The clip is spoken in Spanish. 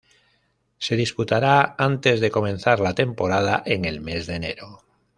Se disputará antes de comenzar la temporada, en el mes de enero.